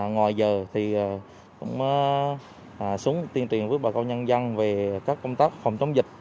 ngoài giờ thì xuống tiên truyền với bà câu nhân dân về các công tác phòng chống dịch